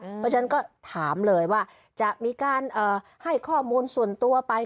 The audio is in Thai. เพราะฉะนั้นก็ถามเลยว่าจะมีการให้ข้อมูลส่วนตัวไป